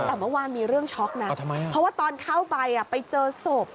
แต่เมื่อวานมีเรื่องช็อกนะเพราะว่าตอนเข้าไปไปเจอศพ